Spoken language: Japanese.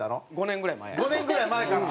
５年ぐらい前から。